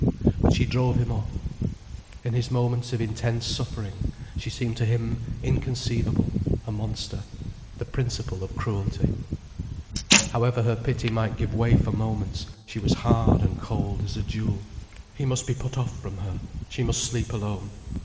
But she drove him off. In his moments of intense suffering, she seemed to him inconceivable, a monster, the principle of cruelty. However her pity might give way for moments, she was hard and cold as a jewel. He must be put off from her, she must sleep alone.